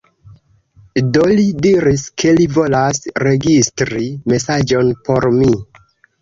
Do li diris, ke li volas registri mesaĝon por mi.